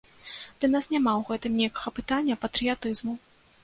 Для нас няма ў гэтым нейкага пытання патрыятызму.